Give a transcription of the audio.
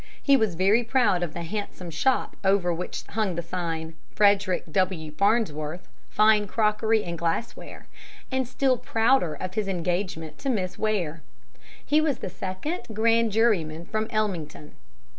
He was very proud of the handsome shop over which hung the sign, "Frederick W. Farnsworth, Fine Crockery and Glassware," and still prouder of his engagement to Miss Ware. He was the second grand juryman from Ellmington.